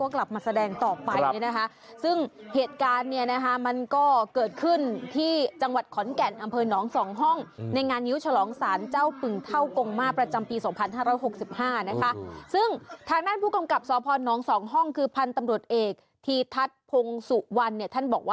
คู่กันสมัสข่าวคู่กันสมัสข่าว